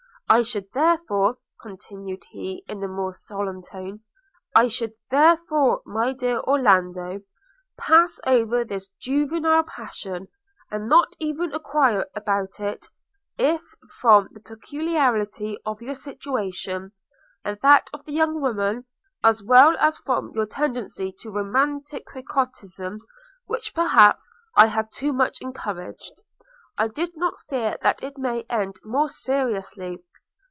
I should, therefore,' continued he, in a more solemn tone – 'I should, therefore, my dear Orlando! pass over this juvenile passion, and not even enquire about it, if, from the peculiarity of your situation, and that of the young woman, as well as from your tendency to romantic quixotism, which perhaps I have too much encouraged, I did not fear that it may end more seriously.